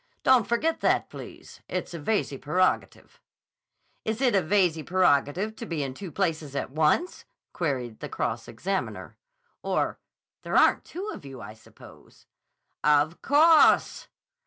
"Don't forget that, please. It's a Veyze prerogative." "Is it a Veyze prerogative to be in two places at once?" queried the cross examiner. "Or—there aren't two of you, I suppose." "Of _cawse!